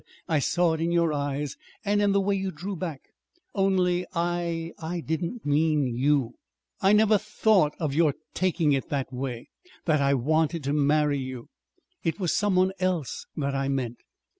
I saw it in your eyes, and in the way you drew back. Only I I didn't mean you. I never thought of your taking it that way that I wanted to marry you. It was some one else that I meant."